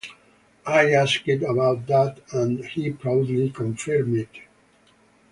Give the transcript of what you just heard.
I asked about that and he proudly confirmed it!